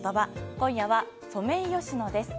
今夜はソメイヨシノです。